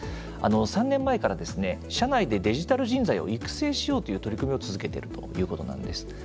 ３年前から社内でデジタル人材を育成しようという取り組みを続けてるということなんです。